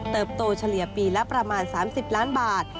เติบโตเฉลี่ยปีละประมาณ๓๐ล้านบาท